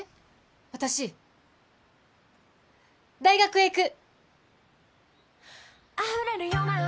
私大学へ行く！